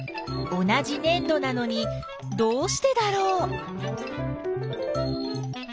同じねん土なのにどうしてだろう？